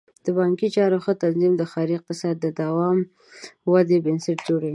د بانکي چارو ښه تنظیم د ښاري اقتصاد د دوام او ودې بنسټ جوړوي.